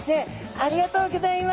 ありがとうございます。